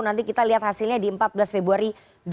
nanti kita lihat hasilnya di empat belas februari dua ribu dua puluh